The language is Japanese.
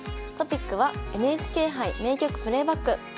トピックは「ＮＨＫ杯名局プレーバック」。